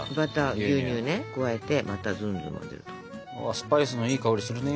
スパイスのいい香りするね。